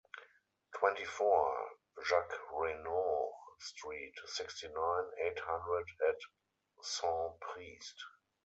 Twenty four, Jacques Reynaud street, sixty nine, eight hundred at Saint-Priest.